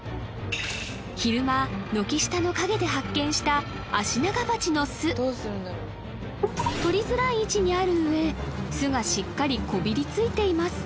昼間軒下の陰で発見した取りづらい位置にある上巣がしっかりこびりついています